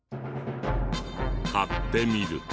買ってみると。